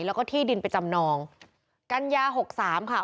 แล้วก็ที่ดินไปจำนองกัญญาหกสามค่ะ